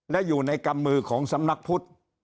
และอยู่ในกำมือของสำนักพุทธ